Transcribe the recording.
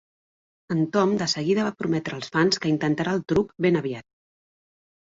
En Tom de seguida va prometre als fans que intentarà el truc ben aviat.